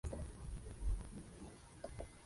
El defensa esperó desde el banquillo en esta ocasión.